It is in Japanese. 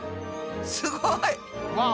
すごい！わ！